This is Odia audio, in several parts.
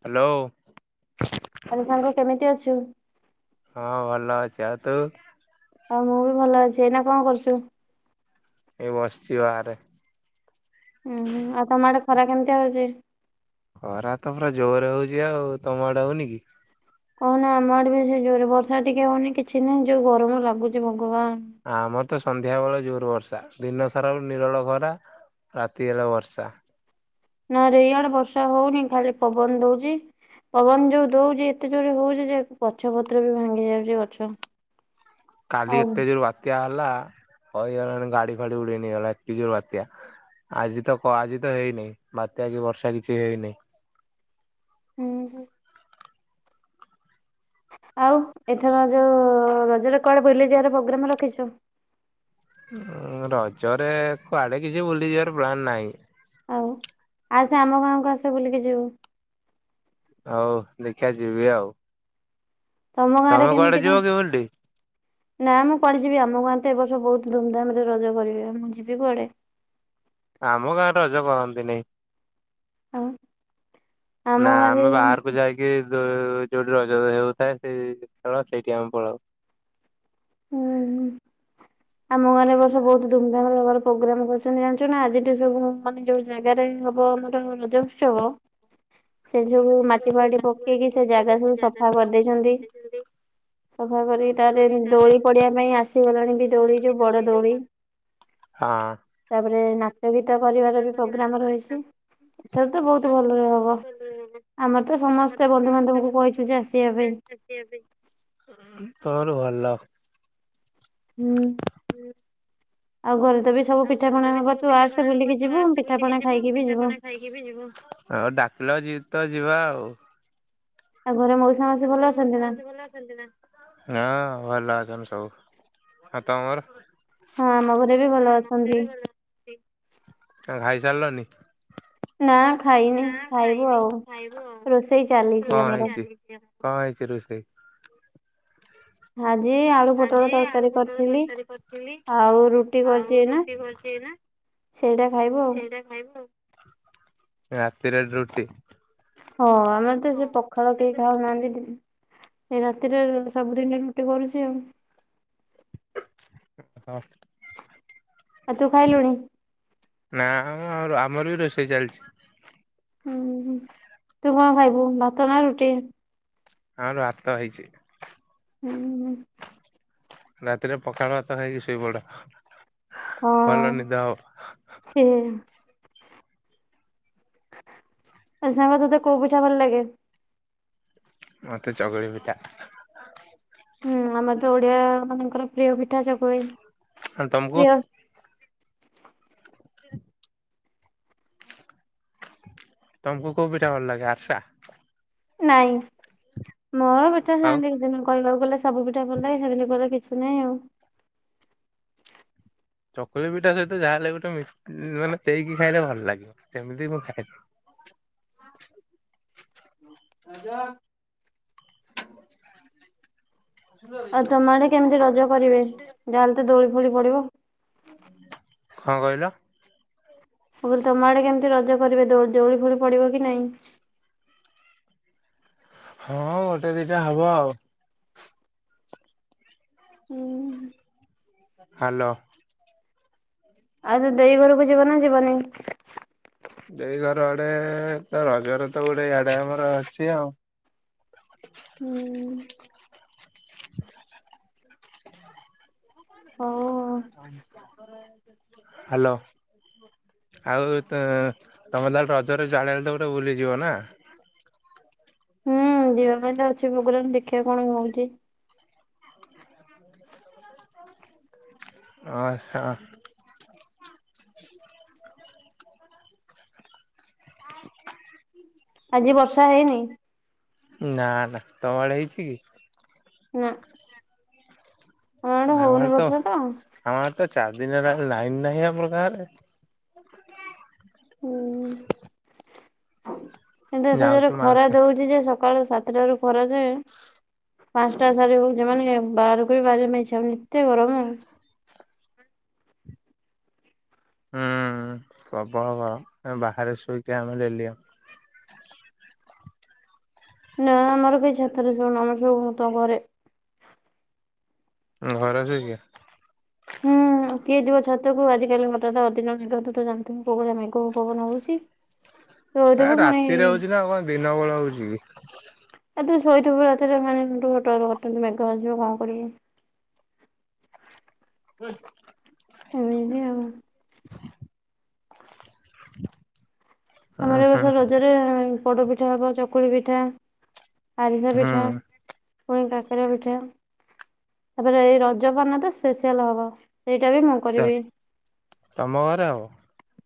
ହ୍ୟାଲୋ ଆଲି ସାଙ୍ଗ କେମିତି ଅଛୁ ହଁ ଭଲ ଅଛି ଆଉ ତୁ ହଉ ମୁଁ ବି ଭଲ ଅଛି ଏଇନା କଣ କରୁଛୁ ଏଇ ବସିଛି ବାରେ ଉୁଁ ହୁଁ ଆଉ ତମ ଆଡେ ଖରା କେମିତି ହଉଛି ଖରା ତ ପୁରା ଜୋର ହଉଛି ଆଉ ତମଡ ହଉନି କି କହ ନା ଆମ ଆଡେ ବି ସେ ଜୋରେ ବର୍ଷା ଟିକେ ହଉନି କିଛି ନାହିଁ ଯୋଉ ଗରମ ଲାଗୁଛି ଭଗବାନ ଆମର ତ ସନ୍ଧ୍ୟା ବେଳ ଜୋର ବର୍ଷା ଦିନ ସାରା ବେଳ ନିରଳ ଖରା ରାତି ହେଲେ ବର୍ଷା ନା ରେଇଆଡେ ବର୍ଷା ହଉନି ଖାଲି ପବନ ଦଉଛି ପବନ ଯୋଉ ଦଉଛି ଏତେ ଜୋରେ ହଉଛି ଯେ ଗଛ ପତ୍ର ବି ଭାଙ୍ଗି ଯାଉଛି ଗଛ କାଲି ଆଉ ଏତ୍ୟାଜର ବାତ୍ୟା ହେଲା ହେଇଗଲାଣି ଗାଡି ଫାଡି ଉଡେଇନଗଲା ଏକି ଜୋର ବାତ୍ୟା ଆଜି ତ ଆଜି ତ ହେଇନିଁ ବାତ୍ୟା କି ବର୍ଷା କିଛି ହେଇନହିଁ ହୁଁ ହୁ ଆଉ ଏଥର ଯୋଉ ରଜର କଡ ବୁଲି ଯଆାର ପ୍ରୋଗ୍ରାମ ରଖିଛ ଉ ରଜରେ କୁଆଡେ କିଛି ବୁଲିଯିବାର ପ୍ଲାନ୍ ନାହିଁ ଆଉ ସେ ଆମ ଗାଁକୁ ଆସ ବୁଲିକି ଯିବୁ ହଉ ଦେଖିବା ଯିବି ଆଉ ତମ ତମେ କୁଆଡେ ଯିବ କିିବଡି ନାଁ ମୁଁ କୁଆଡେ ଯିବି ଆମ ଗାଁ ତ ଏ ବର୍ଷ ବହୁତ ଧୁମଧାମ ରେ ରଜ କରିବି ମୁଁ ଯିବି କୁଆଡେ ଆମ ଗାଁରେ ରଜ କହନ୍ତିନି ଆଉ ଆମ ନା ଗାଁରେ ଆମେ ବାହାରକୁ ଯାଇକି ଯୋଉଠି ରଜ ହେଉଥାଏ ସେଇ ଖେଳ ସେଇଠି ଆମେ ପଳାଉ ହୁଁ ହୁଁ ଆମ ଘାରେ ବର୍ଷ ବହୁତ ଧୁମଧାମ ରେ ହବାର ପ୍ରୋଗ୍ରାମ କରୁଛନ୍ତି ଜାଣିଛୁ ନା ଆଜିଠ ସବୁ ମାନେ ଯୋଉ ଜାଗାରେ ହବ ଆମର ରଜ ଉତ୍ସବ। ସେ ସବୁ ମାଟି ବାଟି ପକେଇକି ସେ ଜାଗା ସବୁ ସଫା କରିଦେଇଛନ୍ତି ସଫା କରିକି ତାରେ ଦୋଳି ପଢିବା ପାଇଁ ଆସିଗଲାଣି ବି ଦଉଳି ଯୋଉ ବଡ ଦଉଳି ହଁ ତାପରେ ନା ଯୋଗୀତା କରିବାର ବି ପ୍ରୋଗ୍ରାମ ରହିଛି ଏଥର ତ ବହୁତ ଭଲରେ ହବ ଆମର ତ ସମସ୍ତେ ବନ୍ଧୁବାନ୍ଧବକୁ କହିଛୁ ଯେ ଆସିବା ପାଇଁ ତୋର ଭଲ ହୁଁ ଆଉ ଘରେ ତ ବି ସବୁ ପିଠାପଣା ହବ ତୁ ଆସେ ବୁଲିକି ତୁ ଯିବୁ ଆସେ ବୁଲିକି ପିଠାପଣା ଯିବୁ ଖାଇକି ବି ପିଠା ପଣା ଖାଇକିଯିବୁ ହଁ ଡାକିଲ ଜି ତ ଯିବା ଆଉ ଆଉ ଘରେ ମଉସା ମାଉସୀ ଭଲ ଅଛନ୍ତି [inaudible] ହଁ। ଭଲ ନା? ଅଛନ୍ତି ସବୁ ଆଉ ତୁମର? ହଁ ଆମ ଘରେ ବି ଭଲ ଅଛନ୍ତି। ଖାଇସାରିଲନି? ନା ଖାଇନି ଖାଇବୁ ଆଉ। ରୋଷେଇ ଚାଲିଛି କଣ ଆମର। ହେଇଛି କଣ ହେଇଛି ରୁଷେଇ? ହାଁ ଜି ଆଳୁ ପୋଟଳ ତରକାରୀ କରିଥିଲି ଆଉ ରୁଟି କରିଛି ଏଇନା ସେଇଟା ଖାଇବୁ ଆଉ। ରାତିରେ ରୁଟି ହଁ ଆମର ତ ସେ ପଖାଳ କେହି ଖାଉନାହାନ୍ତି ଏଇ ରାତିରେ ସବୁଦିନି ରୁଟି କରୁଛି ଆଉ ହଁ। ଆଉ ତୁ ଖାଇଲୁଣି? ନା ଆ ଆମର ବି ରୋଷେଇ ଚାଲିଛି। ହୁଁ ତୁ କଣ ଖାଇବୁ ଭାତ ନା ରୁଟି? ଆମର ଭାତ ହେଇଛି। ହୁଁ ହୁଁ ରାତିରେ ପଖାଳ ଭାତ ଖାଇକି ଶୋଇପଡ। ହଁ ଭଲ ନିଦ ହବ। ସେ ଆଉ ସାଙ୍ଗ ତତେ କୋଉ ପିଠା ଭଲଲାଗେ। ମତେ ଚକୁଳି ପିଠା। ହୁଁ ଆମେ ତ ଓ ଓଡ଼ିଆ ମାନଙ୍କର ପ୍ରିୟ ପି ପିଠା ଚକୁଳି ଆଉ ତମକୁ ପ୍ରିୟ ତମକୁ କୋଉ ପିଠା ଭଲ ଲାଗେ ଆର୍ଷା? ନାଇଁ। ମୋର ପିଠା ଆଉ ସେମିତି କିଛି ନାହିଁ କହିବକୁ ଗଲେ ସବୁ ପିଠା ଭଲ ଲାଗେ ହେମିତି କହିଲେ କିଛି ନାହିଁ ଆଉ ଚକୁଳି ପିଠା ସହିତ ଯାହା ହେଲେ ଗୋଟେ ମି ମାନେ ଦେଇକି ଖାଇଲେ ଭଲ ଲାଗିବ ସେମିତି ମୁଁ ଖାଏନି। ରାଜା ଆଉ ତମ ଆଡେ କେମିତି ରଜ କରିବେ ଯାହାହେଲେ ବି ଦୋଳି ଦୋଳି ପଡିବ। କଣ କହିଲ? ମୁଁ କହିଲି ତମ ଆଡେ କେମିତି ରଜ କରିବେ ଦଉଳି ଫୋଳି ପଡିବ କି ନାଇଁ। ହଁ ଗୋଟେ ଦିଟା ହବ ଆଉ ହୁଁ। ହ୍ୟାଲୋ। ଆଉ ତ ଦେଇ ଘରକୁ ଯିବ ନା ଯିବନି। ଦେଇ ଘର ଆଡେ ତ ରଜର ତ ଗୋଟେ ଇଆଡେ ଆମର ଅଛି ଆଉ। ହୁଁ। ହଉ ଆଉ [inaudible] ହ୍ୟାଲୋ ଆଉ ଉ ତ ତମେ ତାହେଲ ରଜରେ ଯୁଆଡେ ହେଲେ ଗୋଟେ ବୁଲିଯିବ ନା। ହୁଁ ଯିବା ପାଇଁ ତ ଅଛି ପ୍ରୋଗ୍ରାମ ଦେଖିବା କଣ ହଉଛି। ଆଚ୍ଛା। ହ। ଆଜି ବର୍ଷା ହେଇନି। ନା ନା ତମ ଆଡେ ହେଇଛି କି। ନାଁ। ଆମ ଆଡେ ତ ହୁଁ। ତ ଚାରି ଦିନ ହେଲା ଲାଇନ ନାହିଁ ଆମେ ଆମ ଗାଁରେ। ହୁଁ। କିନ୍ତୁ ଏତେ ଜୋରେ ଯାଉଛୁ ଖରା ମାର୍କେ ଦଉଛି ଯେ ସ ସକାଳ ସାତଟାରୁୁ ଖରା ଯେ ପାଞ୍ଚଟା ସାରେ ଯଉ ମାନେ ଯମା ବାହାରକୁ ବି ବାହାରି କୁ ଇଚ୍ଛା ହଉନି ଏତେ ଗରମ ହୁଁ ପ୍ରବଳ ଗରମ ବାହାରେ ଶୋଇକି ଆମେ ଡେଲି ଆ ନା ଆମର କେହି ଛାତରେ ଶୋଉନୁ ଆମର ସବୁ ତ ଘରେ। ଘରେ ଅଛ ଅବିକା ହୁଁ କିଏ ଯିବ ଛାତକୁ ଆଜି ଆଜି କାଲି ହଠାତ୍ ଅଦିନ ମେଘ ତୁତ ଜାଣିଥିବୁ କଉଭଳିଆ ମେଘ ପବନ ହଉଛି୍ ଏ ରାତିରେ ହଉଛି ନାଉ କଣ ଦିନ ବଳ ହଉଛି କି। ଆ ତୁ ଶୋଇଥିବୁ ରାତିରେ ମାନେ ହଠାଥ ମେଘ ଆସିଯିବ ତୁ କଣ କରିବୁ? ହୁଁ। ଏମିତି ଆଉ ହଁ। ଉଁ ଆମର ଏ ହୁଁ ବର୍ଷ ରଜରେ ପୋଡ଼ ପିଠା ହବ ଚକୁଳି ପିଠା ଆରିସ ପିଠା ହୁଁ ପୁଣି କାକ ରା ପିଠା ତାପରେ ଏଇ ରଜ ମାନେ ତ ସ୍ପେଶିଆଲ ହବ। ସେଇଟା ବି ମୁଁ କରିବି ତମ ଘରେ ହବ?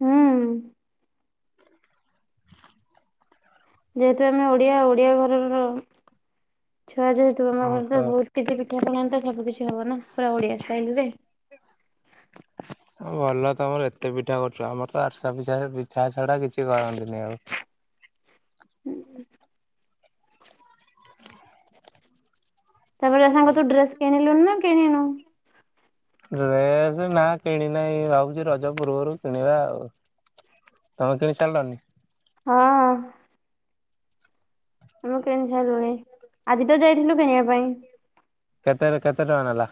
ହୁଁ। ହଁ। ଯେହେତୁ ଆମେ ଓଡିଆ ଓଡିଆ ଘରର ଛୁଆ ଯେହେତୁ ଆମ ଘରେ ତ ଓହୋ। ବହୁତ କିଛି ପିଠା ପଣା ତ ସବୁ କିଛି ହବ ନା ପୁରା ଓଡିଆ ଷ୍ଟାଇଲି ରେ। ଭଲ ତମର ଏତେ ପିଠା କରୁଛ ଆମର ତ ଆରିସା ପିଠା ପିଛା ଛଡା କିଛି କରନ୍ତିନି ଆଉ ହୁଁ ତାପରେ ସାଙ୍ଗ ତୁ ଡ୍ରେସ କିଣିଲୁନୁ ନା କିଣିନୁ? ଡ୍ରେସ ନା କିଣି ନାହିଁ ଭାବୁଛି ରଜ ପୂର୍ବରୁ କିଣିବା ଆଉ ତମେ କିଣି ସାରିଲଣି? ହଁ। ଆମେ କିଣି ସାରିଲୁଣି ଆଜି ତ ଯାଇଥିଲୁ କିଣିବା ପାଇଁ। କେତେ କେତେ ଟଙ୍କା ନେଲା?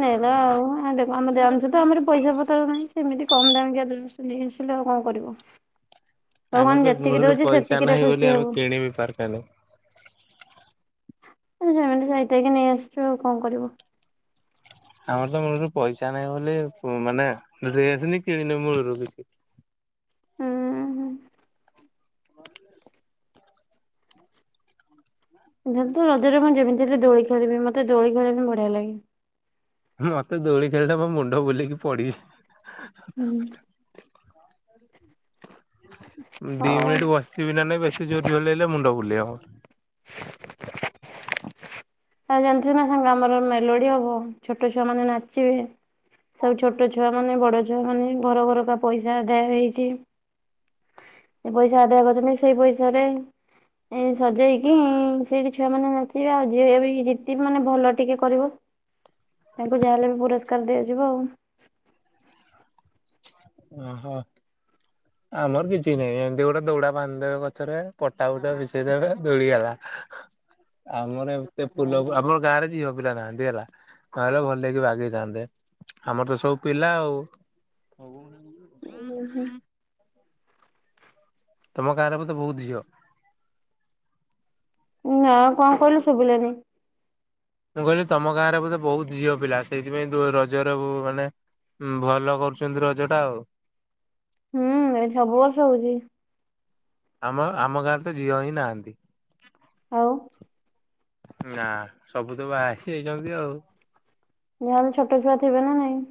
ନେଲା ଆଉ ଦେଖ ଆମ ଜାଣିଚୁ ତ ଆମର ପଇସା ପତ୍ର ନାହିଁ ସେମିତି କମ ଦାମ କିଆ ଡ୍ରେସ୍ ନେଇ ଆସିଲୁ ଆଉ କଣ କରିବୁ। ଆମର ଭଗବାନ ତ ଯେତିକି ମୂଳୁରୁ ଦଉଛି ପଇସା ସେତିକିରେ ନାହିଁ ଖୁସି ବୋଲି ଆମେ ହବୁ। କିଣି ବି ପାରଲୁନି। ଆରେ ଯେମିତି ଯାଇ ଥାଇକି ନେଇ ଆସିଛୁ ଆଉ କଣ କରିବୁ। ଆମର ତ ମୂଳରୁ ପଇସା ନାହିଁ ବୋଲି ମାନେ ଡ୍ରେସ୍ ନି କିଣିନି ମୂଳରୁ କିଛି। ହୁଁ। [unintelligible] ଏଥର ତ ରଜରେ ମୁଁ ଯେମିତି ହେଲେ ଦୋଳି ଖେଳିବି ମତେ ଦୋଳି ଖେଳିବା ପାଇଁ ବଢିଆ ଲାଗେ। ମତେ ଦୋଳି ଖେଳିଲେ ମୋ ମୁଣ୍ଡ ବୁଲେଇକି ପଡିବି। ହଁ। ଦି ହଉ। ମିନିଟ ବସିବି ନା ନାଇ ବେଶୀ ଜୋର ଝୁଲେଇଲେ ମୁଣ୍ଡ ବୁଲେ ବୁଲେଈହବ ଆଉ ଜାଣିଚୁ ନା ସାଙ୍ଗ ଆମର ମେଲୋଡି ହବ ଛୋଟ ଛୁଆ ମାନେ ନାଚିବେ ସବୁ ଛୋଟ ଛୁଆ ମାନେ ବଡ ଛୁଆ ମାନେ ଘର ଘରକା ପଇସା ଆଦାୟ ହେଇଛି ପଇସା ଆଦାୟ କରିଛନ୍ତି ସେଇ ପଇସାରେ ସଜେଇକି ସେଇଠି ଛୁଆ ମାନେ ନାଚିବେ ଆଉ ଯିଏ ବି ଯେତିକି ମାନେ ଭଲ ଟିକେ କରିବ ତାଙ୍କୁ ଯାହାହେଲେ ବି ପୁରସ୍କାର ଦିଆଯିବ ଆଉ । ଓହୋ ଆମର କିଛି ନାହିଁ ଏମିତି ଗୋଟେ ଦୌଡା ବାନ୍ଧିଦେବେ ଗଛରେ ପଟା ଫୁଟା ମିଶେଇ ଦେବେ ଦୋଳି ହେଲା। ଆମର ଏତେ ସେ ଫୁଲକୁ ଆମର ଗାଁରେ ଝିଅ ପିଲା ପିଲା ନାହାଁନ୍ତି ହେଲା ନହେଲେ ଭଲ ଲକି ବାଗେଇଥାନ୍ତେ ଆମର ତ ସବୁ ପିଲା ଆଉ। ଓହୋ । ତମ ଗାଁରେ ବୋଧେ ବହୁତ ଝିଅ। ନା କଣ କହିଲୁ ଶୁଭିଲାନି? ମୁଁ କହିଲି ତମ ଗାଁ ରେ ବୋଧେ ବହୁତ ଝିଅ ପିଲା ସେଇଥିପାଇଁ ରଜର ମାନେ ଭଲ କରୁଛନ୍ତି ରଜ ଟା ଆଉ। ହୁଁ ଏ ସବୁ ବର୍ଷ ହଉଛି। ଆମ ଆମ ଗାଁରେ ତ ଝିଅ ହିଁ ନାହାନ୍ତି। ଆଉ ନା ସବୁ ତ ବାହା ହେଇଯାଇଛନ୍ତି ଆଉ । ନହେଲେ ଛୋଟ ଛୁଆ ଥିବେ ନା ନାଇଁ।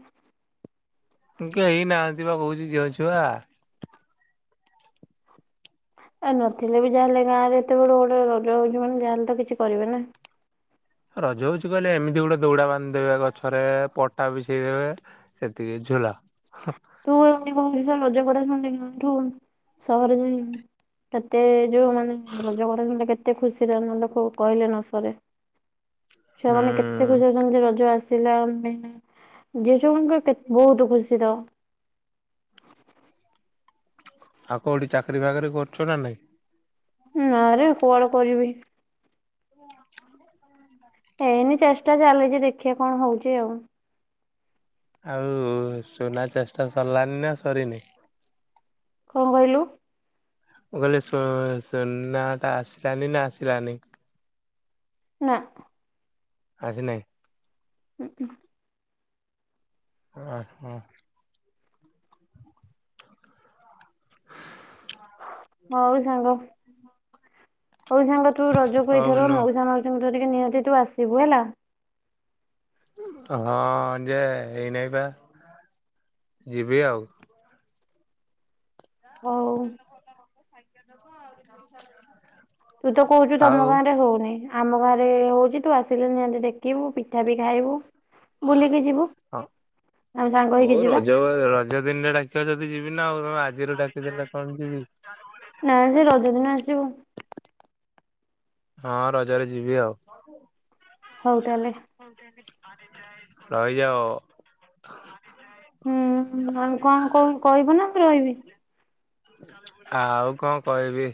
କେହି ନାହାଁନ୍ତି ବା କହୁଛି ଝିଅ ଛୁଆ। ଆ ନଥିଲେ ବି ଯାହା ହେଲେ ଗାଁ ରେ ଏତେ ବଡ ଗୋଟେ ରଜ ହଉଛି ମାନେ ଯାହାହେଲେ ତ କିଛି କରିବେ ନା । ରଜ ହଉଛି କହିଲେ ଏମିତି ଗୋଟେ ଦୌଡା ବାନ୍ଧିଦେବେ ଗଛରେ ପଟା ବିଛେଇ ଦେବେ ସେତିକି ଝୁଲ । [unintelligible] ର ଖାଠୁ ସହର ଯାଇ କେତେ ଯୋଉ ମାନେ ରଜଗଡା କେତେ ଖୁସିରେ ଆମ କହିଲେ ନ ସରେ। ଛୁଆମାନେ କେତେ ହୁଁ ଖୁସି ହଉଛନ୍ତି ରଜ ଆସି [unintelligible] ବହୁତ ଖୁସିର। ଆଉ କୋଉଠି ଚାକିରୀ ବାକିରି କରୁଛ ନା ନାଇଁ। ନାଁ ରେ କୁଆଡେ କରିବି? ଓ ଆମ ଏଇନେ ଚେଷ୍ଟା ଚାଲିଛି ଦେଖିବା କଣ ହଉଛି ଆଉ। ଆଉ ସୁନା ଚେଷ୍ଟା ସରିଲାନି ନା ସରିନି? କଣ କହିଲୁ? ମୁଁ କହିଲି ସୁ ସୁନା ଟା ଆସିଲାନି ନା ଆସିଲାନି। ନା। ଆସି ନାଇଁ [inaudible] ହ ହୋ ହଉ ସାଙ୍ଗ ହଉ ସାଙ୍ଗ ତୁ ରଜକୁ ହଉ ଏଇଥର ନୁ ମଉାସା ମାଉ ତୋ ଟିକେ ନିହାତି ତୁ ଆସିବୁ ହେଲା। ହଁ ଯେ ହେଇନାହିଁ ବା ଯିବି ଆଉ ହଉ। [inaudible] ତୁ ତ କହୁଛୁ ତମ ଆଉ ଗାଁ ରେ ହଉନି ଆମ ଘରେ ହଉଛି ତୁ ଆସିଲେ ନିହାତି ଦେଖିବୁ ପିଠା ବି ଖାଇବୁ ହଁ ବୁଲିକି ଯିବୁ ଆମେ ସାଙ୍ଗ ହେଇକି ହଉ ଯିବା ରଜ ରଜ ଦିନରେ ଡାକିବା ଯଦି ଯିବି ନା ଆଉ ଆଜିରୁ ଡାକିଦେଲେ କମ ଯିବ ନାଇ ସେ ରଜ ଦିନ ଆସିବ ହଁ ରଜରେ ଯିବି ଆଉ ହଉ। ତାହେଲେ ହଉଲେ ରହିଯାଉ। ହୁଁ ଆଉ କଣ କ କହିବୁ ନା ରହିବି ଆଉ କଣ କହିବି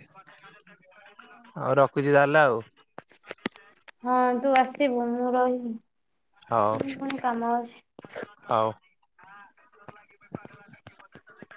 ଆଉ ରଖୁଛି ତାହେଲେ ଆଉ ହଁ ତୁ ଆସିବୁ ମୁଁ ହଉ ରହିବି କ କ କାମଛି ହଁ ଲାଗେ।